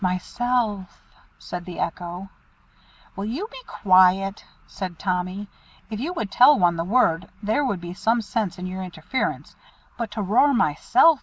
"Myself," said the Echo. "Will you be quiet?" said Tommy. "If you would tell one the word there would be some sense in your interference; but to roar 'Myself!'